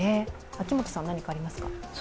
秋元さんは何かありますか？